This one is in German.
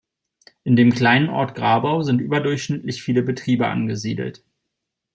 In dem kleinen Ort Grabau sind überdurchschnittlich viele Betriebe angesiedelt.